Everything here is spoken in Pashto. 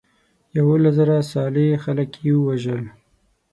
یولس زره صالح خلک یې وژل.